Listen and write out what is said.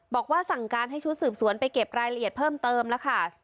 บอกว่าสั่งการให้ชุดสืบสวนไปเก็บรายละเอียดเพิ่มเติมแล้วค่ะ